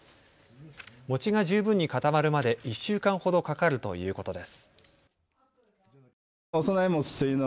餅が十分に固まるまで１週間ほどかかるということです。